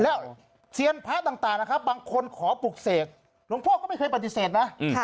เเสียญพระต่างบางคนขอปรุกเศกหลวงพ่อก็ไม่เคยปฏิเสธนะ